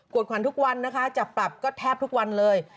ขวัญทุกวันนะคะจะปรับก็แทบทุกวันเลย